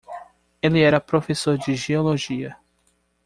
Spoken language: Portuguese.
Ele era professor de geologia.